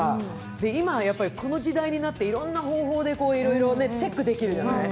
今、この時代になっていろんな方法でいろいろチェックできるじゃない？